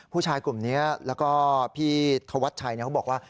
ผู้ชายกลุ่มนี้แล้วก็พี่ธวัชชัยเขาบอกว่า